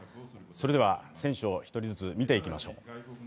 それでは、選手を１人ずつ見ていきましょう。